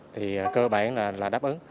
thì cơ bản là đáp ứng